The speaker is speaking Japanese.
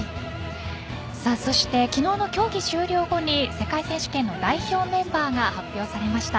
そして昨日の競技終了後に世界選手権の代表メンバーが発表されました。